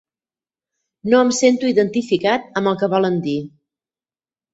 No em sento identificat amb el que volen dir.